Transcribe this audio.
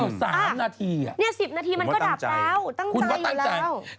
เออ๓นาทีอะคุณว่าตั้งใจคุณว่าตั้งใจอยู่แล้วนี่๑๐นาทีมันก็ดับแล้ว